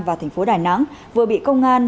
và thành phố đài nẵng vừa bị công an